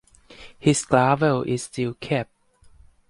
His gavel is still kept.